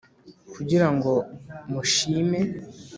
Kugira ngo mushime